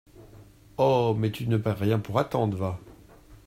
Oh ! mais tu ne perds rien pour attendre, va !…